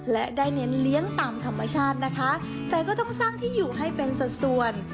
และได้เน้นเลี้ยงตามธรรมชาตินะคะแต่ก็ต้องสร้างที่อยู่ให้เป็นสัดส่วน